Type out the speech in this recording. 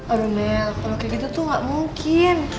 aduh mel kalo kayak gitu tuh gak mungkin